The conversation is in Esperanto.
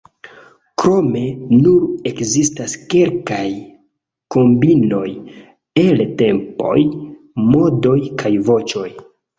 Krome nur ekzistas kelkaj kombinoj el tempoj, modoj kaj voĉoj.